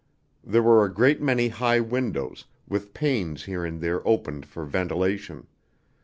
There were a great many high windows, with panes here and there opened for ventilation.